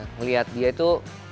ngelihat dia itu